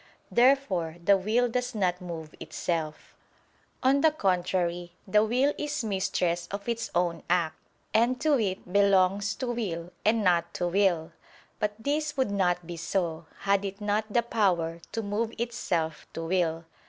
Therefore the will does not move itself. On the contrary, The will is mistress of its own act, and to it belongs to will and not to will. But this would not be so, had it not the power to move itself to will.